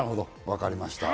分かりました。